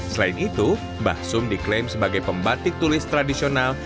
selain itu mbah sum diklaim sebagai pembatik tulis tradisional